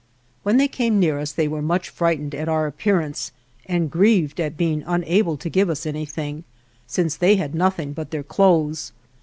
When they came near us they were much THE JOURNEY OF frightened at our appearance and grieved at being unable to give us anything, since they had nothing but their clothes.